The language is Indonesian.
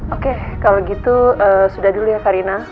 oke kalau gitu sudah dulu ya karina